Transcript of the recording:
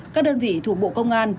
các đơn vị thủ bộ công an